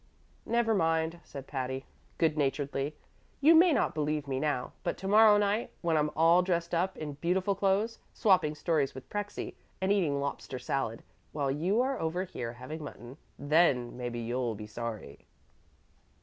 "Never mind," said Patty, good naturedly; "you may not believe me now, but to morrow night, when I'm all dressed up in beautiful clothes, swapping stories with Prexy and eating lobster salad, while you are over here having mutton, then maybe you'll be sorry."